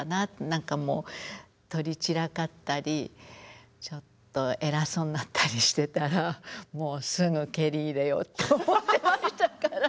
何かもう取り散らかったりちょっと偉そうになったりしてたらもうすぐ蹴り入れようと思ってましたから。